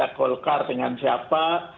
ada golkar dengan siapa